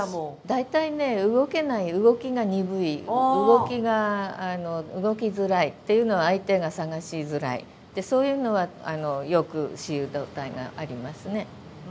大体ね動けない動きが鈍い動きづらいっていうのは相手が探しづらいそういうのはよく雌雄同体がありますね。